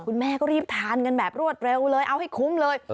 คุณแม่ก็รีบทานกันแบบรวดเร็วเลยเอาให้คุ้มเลย